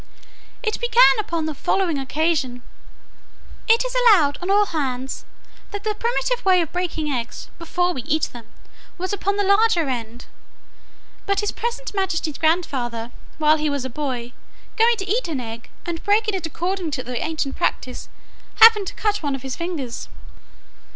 It began upon the following occasion. It is allowed on all hands, that the primitive way of breaking eggs, before we eat them, was upon the larger end; but his present majesty's grandfather, while he was a boy, going to eat an egg, and breaking it according to the ancient practice, happened to cut one of his fingers.